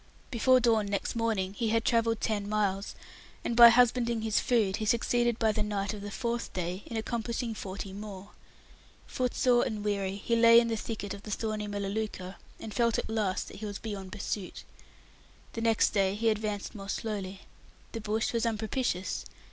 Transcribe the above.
Before dawn next morning he had travelled ten miles, and by husbanding his food, he succeeded by the night of the fourth day in accomplishing forty more. Footsore and weary, he lay in a thicket of the thorny melaleuca, and felt at last that he was beyond pursuit. The next day he advanced more slowly. The bush was unpropitious.